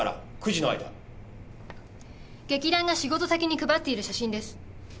劇団が仕事先に配っている写真です。